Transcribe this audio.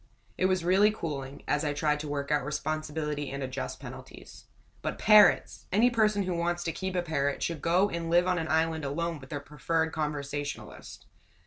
It was really cooling, as I tried to work out responsibility and adjust penalties. But parrots! Any person who wants to keep a parrot should go and live on an island alone with their preferred conversationalist!